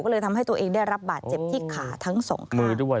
ก็เลยทำให้ตัวเองได้รับบาดเจ็บที่ขาทั้ง๒ค่ะ